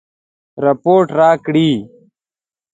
رپوټ راکړي.